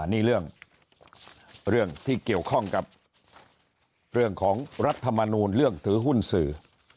นี่เรื่องที่เกี่ยวข้องกับเรื่องของรัฐมนูลเรื่องถือหุ้นสื่อ